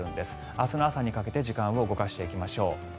明日の朝にかけて時間を動かしていきましょう。